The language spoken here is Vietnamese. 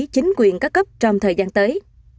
chính quyền các cấp trong thời gian tới